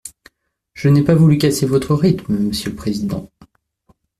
Je n’ai pas voulu casser votre rythme, monsieur le président.